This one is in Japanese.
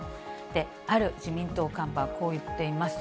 ある自民党幹部はこう言っています。